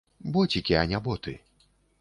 Боцікі, а не боты.